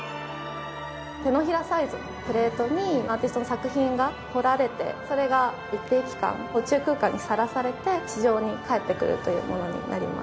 手のひらサイズのプレートにアーティストの作品が彫られてそれが一定期間宇宙空間にさらされて地上に帰ってくるというものになります。